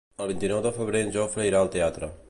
El vint-i-nou de febrer en Jofre irà al teatre.